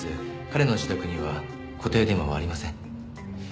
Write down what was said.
彼の自宅には固定電話はありません。